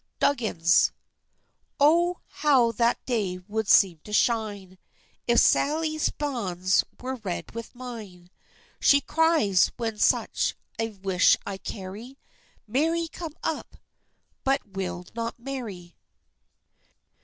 DUGGINS. Oh, how that day would seem to shine, If Sally's banns were read with mine; She cries, when such a wish I carry, "Marry come up!" but will not marry.